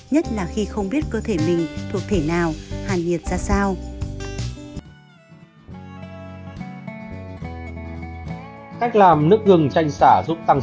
nhất là khi không biết cơ thể mình